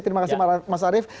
terima kasih mas arief